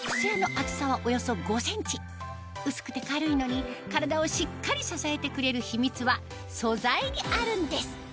極すやの薄くて軽いのに体をしっかり支えてくれる秘密は素材にあるんです